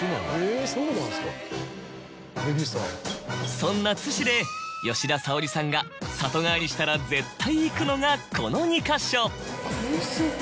そんな津市で吉田沙保里さんが里帰りしたら絶対行くのがこの２か所。